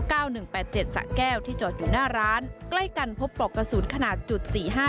หนึ่งแปดเจ็ดสะแก้วที่จอดอยู่หน้าร้านใกล้กันพบปลอกกระสุนขนาดจุดสี่ห้า